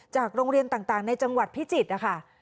โรงเรียนต่างในจังหวัดพิจิตรนะคะ